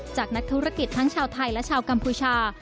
นักธุรกิจทั้งชาวไทยและชาวกัมพูชา